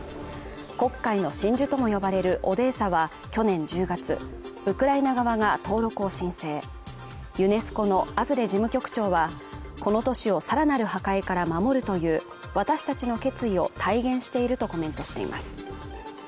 黒海の真珠とも呼ばれるオデーサは去年１０月ウクライナ側が登録を申請ユネスコのアズレ事務局長はこの都市をさらなる破壊から守るという私たちの決意を体現しているとコメントしています